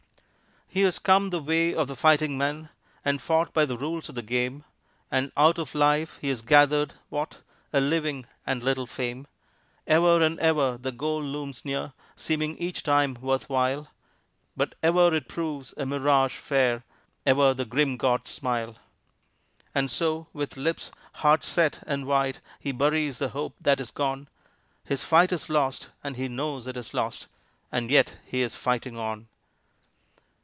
He has come the way of the fighting men, and fought by the rules of the Game, And out of Life he has gathered What? A living, and little fame, Ever and ever the Goal looms near, seeming each time worth while; But ever it proves a mirage fair ever the grim gods smile. And so, with lips hard set and white, he buries the hope that is gone, His fight is lost and he knows it is lost and yet he is fighting on.